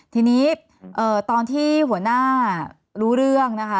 ทีนี้ตอนที่หัวหน้ารู้เรื่องนะคะ